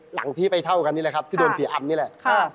หลังที่ไปเท่ากันนี่แหละครับที่โดนเสียอำนี่แหละ